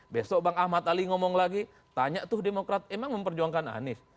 besok bang ahmad ali ngomong lagi tanya tuh demokrat emang memperjuangkan anies